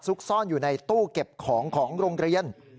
ซ่อนอยู่ในตู้เก็บของของโรงเรียน